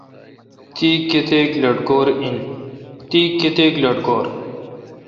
تی کتیک لٹکور؟